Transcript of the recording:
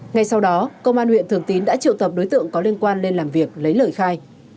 ngay sau đó công an huyện thường tín đã triệu tập đối tượng có liên quan lên làm việc lấy lời khai